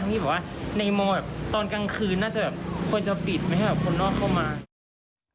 ที่บอกว่าในโมแบบตอนกลางคืนน่าจะแบบควรจะปิดไม่ให้แบบคนนอกเข้ามา